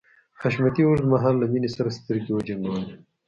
حشمتي اوږد مهال له مينې سره سترګې وجنګولې.